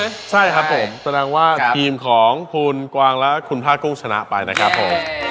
ผมมากกว่าใช่ไหมใช่ครับผมแสดงว่าทีมของคุณกวางและคุณพลาดกุ้งชนะไปนะครับผม